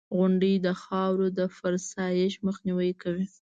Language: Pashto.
• غونډۍ د خاورو د فرسایش مخنیوی کوي.